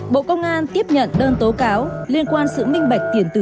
bộ công an tiếp nhận đơn tố cáo liên quan sự minh bạch tiền từ